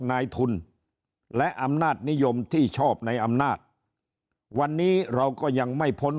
นายทุนและอำนาจนิยมที่ชอบในอำนาจวันนี้เราก็ยังไม่พ้น